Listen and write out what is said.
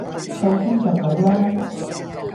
夠鐘就走啦!